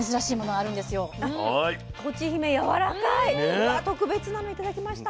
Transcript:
うわ特別なの頂きました。